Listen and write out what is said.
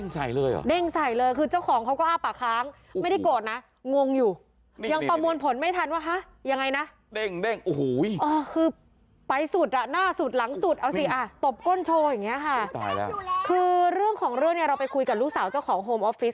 ตบก้นโชว์อย่างนี้ค่ะคือเรื่องของเรื่องเนี่ยเราไปคุยกับลูกสาวเจ้าของโฮมอฟฟิศ